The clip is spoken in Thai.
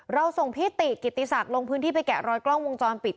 เราส่งพี่ติกิติศักดิ์ลงพื้นที่ไปแกะรอยกล้องวงจรปิด